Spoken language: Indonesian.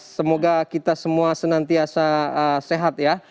semoga kita semua senantiasa sehat ya